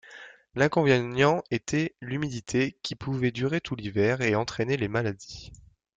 L'inconvénient était l'humidité qui pouvait durer tout l'hiver et entraîner les maladies.